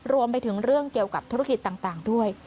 รวมไปถึงเรื่องเกี่ยวกับธุรกิจต่างด้วย